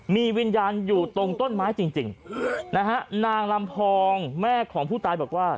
มีวิญญาณอยู่ตรงต้นไม้จริงจริงนะฮะนางลำพองแม่ของผู้ตายบอกว่า